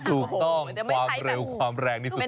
ถูกต้องความเร็วความแรงนี่สุด